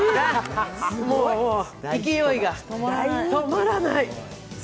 もう勢いが止まらない。